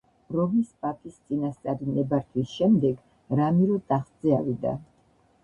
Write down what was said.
რომის პაპის წინასწარი ნებართვის შემდეგ რამირო ტახტზე ავიდა.